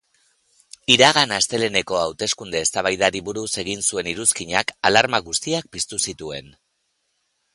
Iragan asteleheneko hauteskunde eztabaidari buruz egin zuen iruzkinak alarma guztiak piztu zituen.